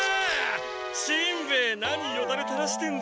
しんべヱ何よだれたらしてんだ！